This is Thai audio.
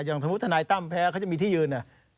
อย่างสมมุติธนายตั้มแพ้เขาจะมีที่ยืน